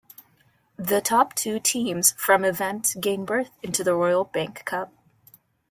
The top two teams from event gain birth into the Royal Bank Cup.